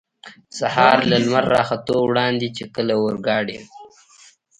سهار له لمر را ختو وړاندې، چې کله اورګاډی.